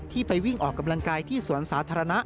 ไปวิ่งออกกำลังกายที่สวนสาธารณะ